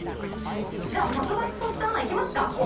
じゃあ、殺伐とした穴いきますか。